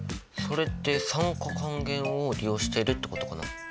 それって酸化還元を利用してるってことかな？